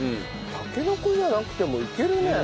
タケノコじゃなくてもいけるね。